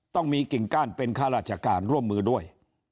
ต้องมีกิ่งก้านเป็นข้าราชการร่วมมือด้วย